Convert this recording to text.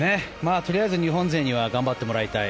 とりあえず日本勢には頑張ってもらいたい。